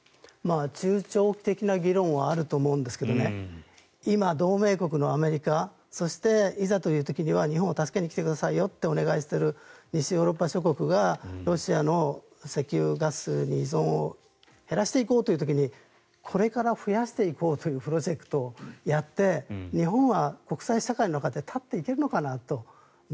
中長期的な議論はあると思うんですが今、同盟国のアメリカそしていざという時には日本を助けに来てくださいよとお願いしている西ヨーロッパ諸国がロシアの石油ガスへの依存を減らしていこうという時にこれから増やしていこうというプロジェクトをやって日本は国際社会の中で立っていけるのかなと。